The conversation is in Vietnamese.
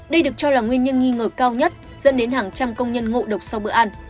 đây được cho là nguyên nhân nghi ngờ cao nhất dẫn đến hàng trăm công nhân ngộ độc sau bữa ăn